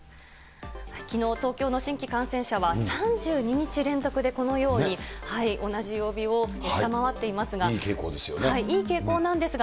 きのう、東京の新規感染者は３２日連続でこのように同じ曜日を下回っていいい傾向ですよね。